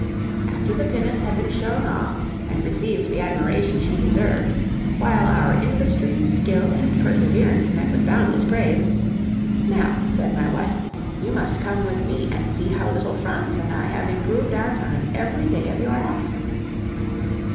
After the pinnace had been shown off, and received the admiration she deserved, while our industry, skill, and perseverance met with boundless praise: "Now," said my wife, "you must come with me, and see how little Franz and I have improved our time every day of your absence."